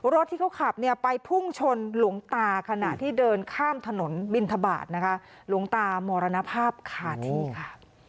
รถที่เขาขับเนี่ยไปพุ่งชนหลวงตาขณะที่เดินข้ามถนนบินทบาทนะคะหลวงตามรณภาพขาดที่ค่ะ